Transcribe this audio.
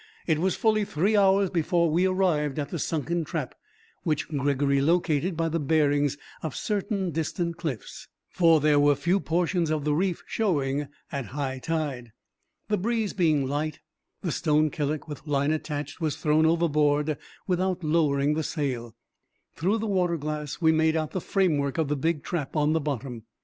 It was fully three hours before we arrived at the sunken trap, which Gregory located by the bearings of certain distant cliffs, for there were few portions of the reef showing at high tide. The breeze being light, the stone killick with line attached was thrown overboard without lowering the sail. Through the water glass we made out the framework of the big trap on the bottom.